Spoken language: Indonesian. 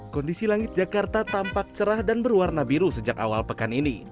kondisi langit jakarta tampak cerah dan berwarna biru sejak awal pekan ini